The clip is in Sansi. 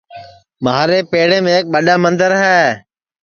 مھارے پیڑیم ایک ٻڈؔا مندر ہے